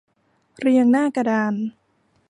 เรียงหน้ากระดาน